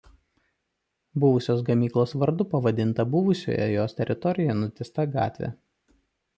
Buvusios gamyklos vardu pavadinta buvusioje jos teritorijoje nutiesta gatvė.